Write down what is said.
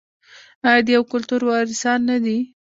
آیا د یو کلتور وارثان نه دي؟